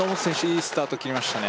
いいスタートきりましたね